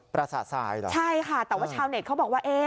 ประสาทสายเหรอใช่ค่ะแต่ว่าชาวเน็ตเขาบอกว่า